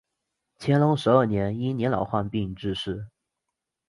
乾隆十二年因年老患病致仕。